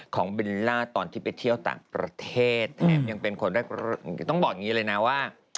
เบลล่าตอนที่ไปเที่ยวต่างประเทศแถมยังเป็นคนแรกต้องบอกอย่างนี้เลยนะว่า